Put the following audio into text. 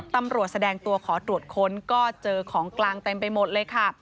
ตำรวจแสดงตัวขอตรวจค้นก็เจอของกลางเต็มไปหมดเลยค่ะ